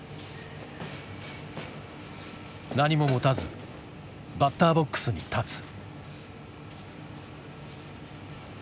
何も持たずバッターボックスに立つ。